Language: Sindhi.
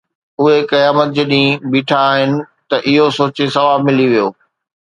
اهي قيامت جي ڏينهن بيٺا آهن، ته اهو سوچي ثواب ملي ويو